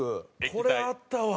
これあったわ。